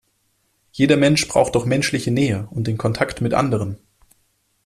Jeder Mensch braucht doch menschliche Nähe und den Kontakt mit anderen.